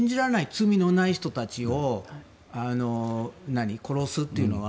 罪のない人たちを殺すというのは。